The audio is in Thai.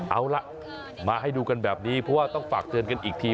เอาล่ะมาให้ดูกันแบบนี้เพราะว่าต้องฝากเตือนกันอีกที